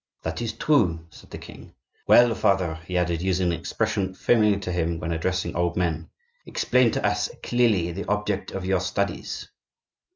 "That is true," said the king. "Well, father," he added, using an expression familiar to him when addressing old men, "explain to us clearly the object of your studies."